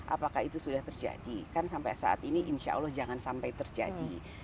apakah itu sudah terjadi kan sampai saat ini insya allah jangan sampai terjadi